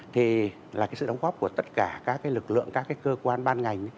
thì là sự đóng góp của tất cả các lực lượng các cái cơ quan ban ngành